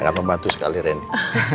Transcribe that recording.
akan membantu sekali randy